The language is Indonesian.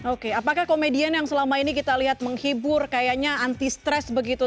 oke apakah komedian yang selama ini kita lihat menghibur kayaknya anti stres begitu